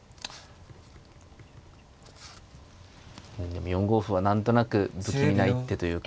でも４五歩は何となく不気味な一手というか。